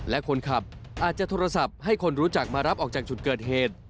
และคนขับอาจจะโทรศัพท์ให้คนรู้จักมารับออกจากจุดเกิดเหตุ